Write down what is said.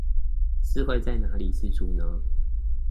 是會在哪裡釋出呢?